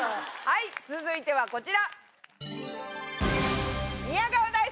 続いてはこちら。